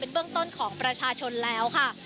เบื้องต้นของประชาชนแล้วค่ะ